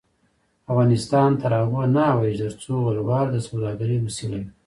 افغانستان تر هغو نه ابادیږي، ترڅو ولور د سوداګرۍ وسیله وي.